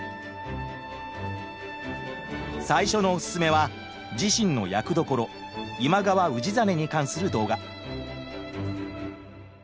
最初のおススメは自身の役どころ今川氏真に関する動画。